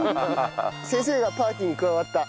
「先生がパーティに加わった」。